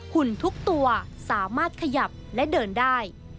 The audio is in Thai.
หุ่นทุกตัวสามารถขยับและเดินได้